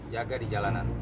jaga di jalanan